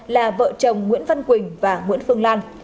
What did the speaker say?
là vợ chồng nguyễn văn quỳnh và nguyễn phương lan